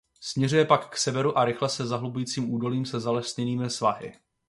Směřuje pak k severu rychle se zahlubujícím údolím se zalesněnými svahy.